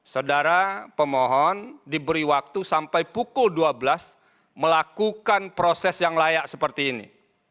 saudara pemohon diberi waktu sampai pukul dua belas melakukan proses yang layak seperti ini